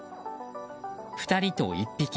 ２人と１匹。